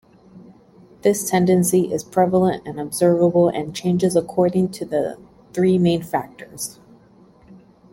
This tendency is prevalent and observable, and changes according to three main factors.